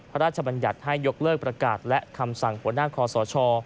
บรรยัติให้ยกเลิกประกาศและคำสั่งหัวหน้าคอสช